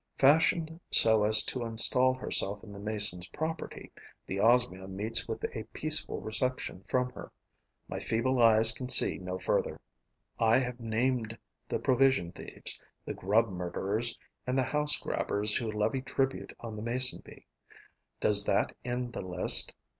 Fashioned so as to instal herself in the Mason's property, the Osmia meets with a peaceful reception from her. My feeble eyes can see no further. I have named the provision thieves, the grub murderers and the house grabbers who levy tribute on the Mason bee. Does that end the list?